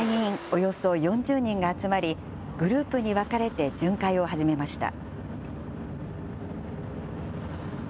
およそ４０人が集まり、グループに分かれて巡回を始めました。